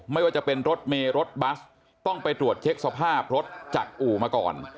ไม่ว่าจะเป็นรถเมย์รถบัสต้องไปตรวจเช็คสภาพรถจากอู่มาก่อน